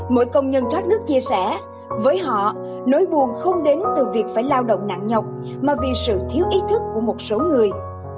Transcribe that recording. mỗi công nhân thoát nước chia sẻ với họ nỗi buồn không đến từ việc phải lao động nặng nhọc mà vì sự thiếu ý thức của một số người